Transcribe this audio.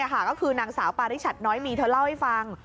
ก็คือนางสาวปาริชัดน้อยมีเธอเล่าให้ฟัง